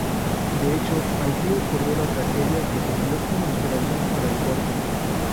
De hecho, allí ocurrió la tragedia que sirvió como inspiración para el corto.